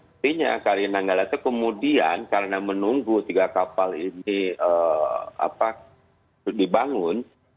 artinya kri nanggala itu kemudian karena menunggu tiga kapal ini dibangun